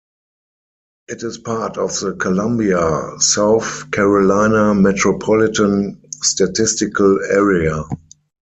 It is part of the Columbia, South Carolina Metropolitan Statistical Area.